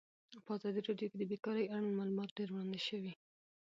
په ازادي راډیو کې د بیکاري اړوند معلومات ډېر وړاندې شوي.